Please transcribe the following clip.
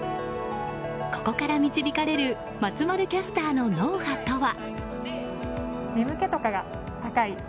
ここから導かれる松丸キャスターの脳波とは。